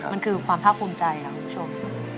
มันคือความภาคภูมิใจค่ะคุณผู้ชม